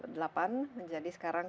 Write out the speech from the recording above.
dari delapan menjadi sekarang tujuh